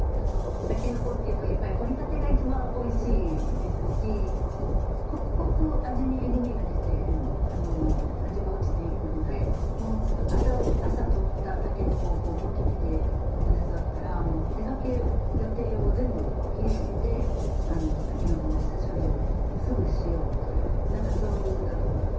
筍っていうのはやっぱり掘りたてが一番おいしいですし刻々味にえぐみが出て味が落ちていくので朝採った筍を持ってきて下さったら出かける予定を全部切り上げて筍の下処理をすぐしようという何かそういう句だと思います。